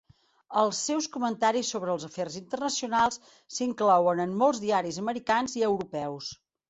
Els seus comentaris sobre els afers internacionals s'inclouen en molts diaris americans i europeus.